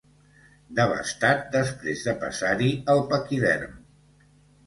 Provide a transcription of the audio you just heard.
Devastat després de passar-hi el paquiderm.